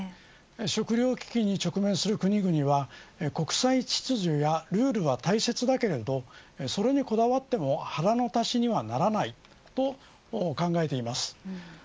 食料危機に直面する国々は国際秩序やルールは大切だけれどそれにこだわっても腹の足しにはならないと考えています。